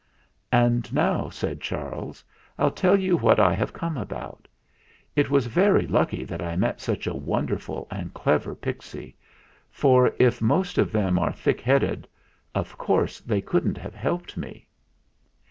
"And now," said Charles, "I'll tell you what I have come about. It was very lucky that I met such a wonderful and clever pixy, for if most of them are thick headed, of course they couldn't have helped me."